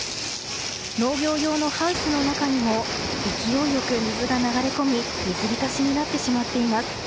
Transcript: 農業用のハウスの中にも勢いよく水が流れ込み水浸しになってしまっています。